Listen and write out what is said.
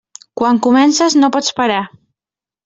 Quan comences, no pots parar.